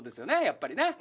やっぱりね。